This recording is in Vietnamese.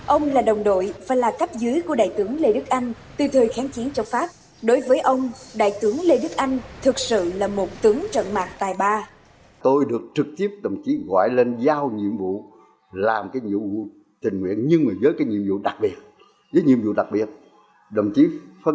ông là đồng đội và là cấp dưới của đại tướng lê đức anh từ thời kháng chiến châu pháp